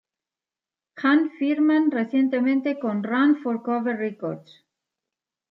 Han firman recientemente con Run For Cover Records.